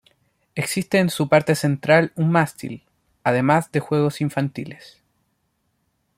Existe en su parte central un mástil, además de juegos infantiles.